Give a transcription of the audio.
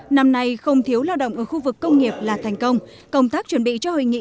năm nay không thiếu lao động ở khu vực công nghiệp là thành công công tác chuẩn bị cho hội nghị